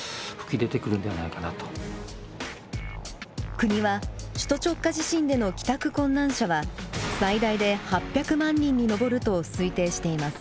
国は首都直下地震での帰宅困難者は最大で８００万人に上ると推定しています。